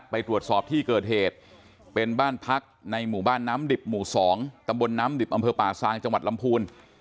ไปตรวจสอบที่เกิดเหตุเป็นบ้านพักในหมู่บ้านน้ำดิบหมู่๒ตำบลน้ำดิบอำเภอป่าซางจังหวัดลำพูน